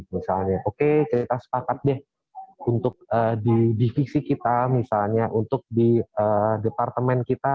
misalnya oke kita sepakat deh untuk di divisi kita misalnya untuk di departemen kita